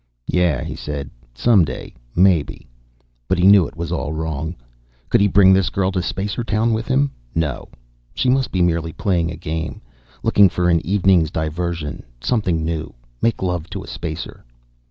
"Yeah," he said. "Someday, maybe." But he knew it was all wrong. Could he bring this girl to Spacertown with him? No; she must be merely playing a game, looking for an evening's diversion. Something new: make love to a Spacer.